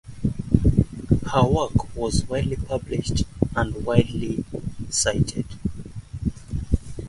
Her work was widely published and widely cited.